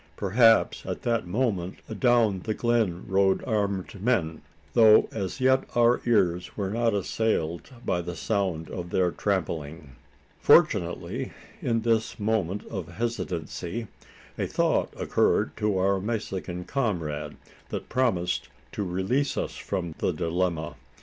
Perhaps at that moment "adown the glen rode armed men" though as yet our ears were not assailed by the sound of their trampling. Fortunately, in this moment of hesitancy, a thought occurred to our Mexican comrade, that promised to release us from the dilemma.